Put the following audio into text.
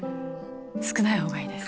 少ない方がいいです。